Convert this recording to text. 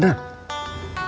di gang bejar